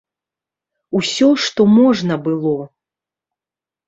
Усё, што можна было.